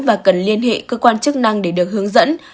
và cần liên hệ cơ quan chức năng để được hướng dẫn